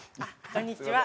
こんにちは。